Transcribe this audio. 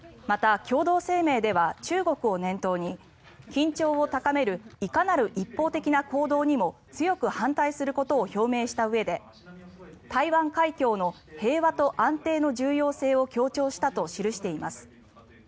また、共同声明では中国を念頭に緊張を高めるいかなる一方的な行動にも強く反対することを表明したうえで台湾海峡の平和と安定の重要性を強調したと記しています。